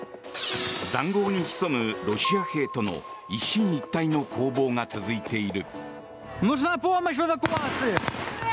塹壕に潜むロシア兵との一進一退の攻防が続いている。